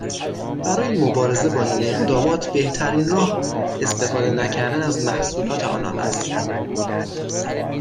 برای مبارزه با این اقدامات، بهترین راه، استفاده نکردن از محصولات آنان است.